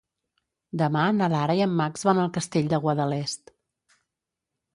Demà na Lara i en Max van al Castell de Guadalest.